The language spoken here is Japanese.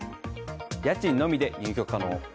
家賃のみで入居可能。